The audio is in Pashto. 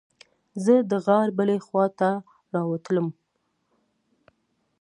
زه د غار بلې خوا ته راووتلم.